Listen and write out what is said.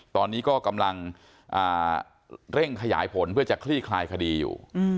ตอนนี้ก็กำลังเร่งขยายผลเพื่อจะคลี่คลายคดีอยู่